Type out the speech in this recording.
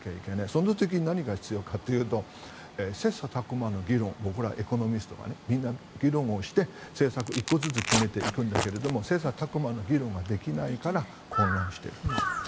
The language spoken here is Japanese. その時に何が必要かというと切磋琢磨について僕ら、エコノミストがみんな議論をして政策１個ずつ決めていくんだけれども切磋琢磨の議論ができないから混乱していると。